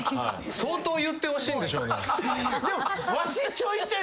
相当言ってほしいんでしょうね。